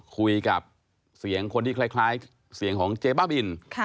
คุยกับเสียงคนที่คล้ายเสียงของเจ๊บ้าบิน